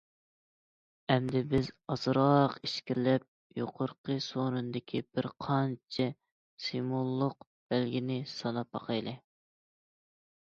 ئەمدى بىز ئازراق ئىچكىرىلەپ يۇقىرىقى سورۇندىكى بىر قانچە سىمۋوللۇق بەلگىنى ساناپ باقايلى.